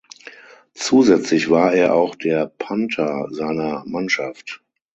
Zusätzlich war er auch der Punter seiner Mannschaft.